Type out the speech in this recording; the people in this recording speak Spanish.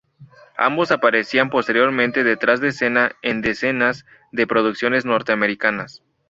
Ambos aparecerían posteriormente detrás de escena en decenas de producciones norteamericana.